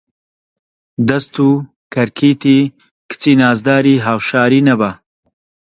دەست و کەرکیتی کچی نازداری هەوشاری نەبا